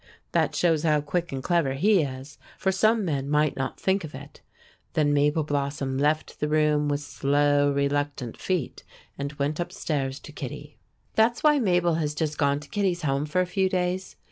That shows how quick and clever he is, for some men might not think of it. Then Mabel Blossom left the room, with slow, reluctant feet, and went up stairs to Kittie. That's why Mabel has just gone to Kittie's home for a few days.